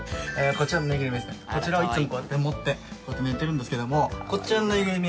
こちらをいつもこうやって持ってこうやって寝てるんですけどもこちらのぬいぐるみ